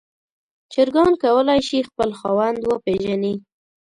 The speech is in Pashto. چرګان کولی شي خپل خاوند وپیژني.